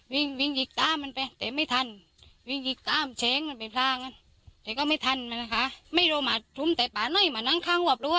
วิ่งวิ่งยิกตามันไปแต่ไม่ทันวิ่งยิกตามเช้งมันไปพล่างอ่ะ